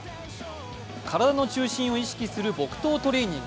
体の中心を意識する木刀トレーニング。